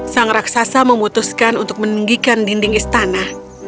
sang raksasa memutuskan untuk meninggikan dinding istana